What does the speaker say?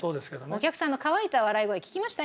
お客さんの乾いた笑い声聞きました？